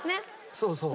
そうそう。